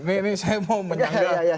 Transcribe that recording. ini saya mau menyanggap